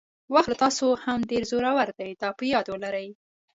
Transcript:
وخت له تاسو هم ډېر زړور دی دا په یاد ولرئ.